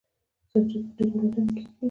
سنجد په ډیرو ولایتونو کې کیږي.